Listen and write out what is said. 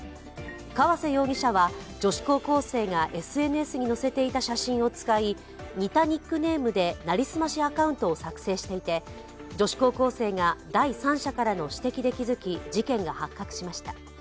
川瀬容疑者は女子高校生がＳＮＳに載せていた写真を使い似たニックネームでなりすましアカウントを作成していて、女子高校生が第三者からの指摘で気づき、事件が発覚しました。